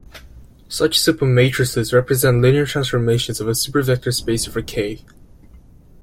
Such supermatrices represent linear transformations of a super vector space over "K".